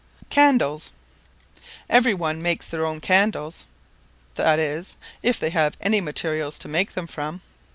CANDLES. Every one makes their own candles (i.e. if they have any materials to make them from).